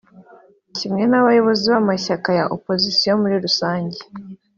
kimwe n’abayobozi b’amashyaka ya opozisiyo muri rusange